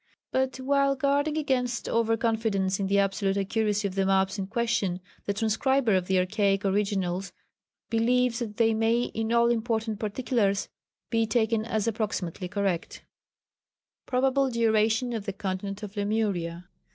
But while guarding against over confidence in the absolute accuracy of the maps in question, the transcriber of the archaic originals believes that they may in all important particulars, be taken as approximately correct. [Sidenote: Probable Duration of the Continent of Lemuria.